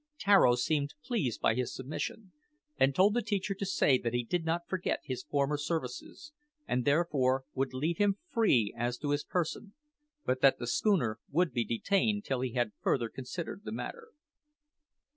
Tararo seemed pleased by his submission, and told the teacher to say that he did not forget his former services, and therefore would leave him free as to his person, but that the schooner would be detained till he had further considered the matter.